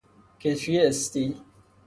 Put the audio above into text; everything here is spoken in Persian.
کتری استیل